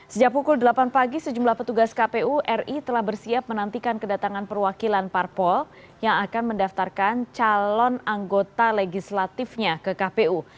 sejak pukul delapan pagi sejumlah petugas kpu ri telah bersiap menantikan kedatangan perwakilan parpol yang akan mendaftarkan calon anggota legislatifnya ke kpu